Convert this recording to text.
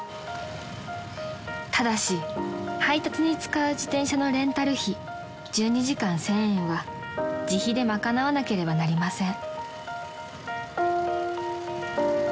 ［ただし配達に使う自転車のレンタル費１２時間１，０００円は自費で賄わなければなりません］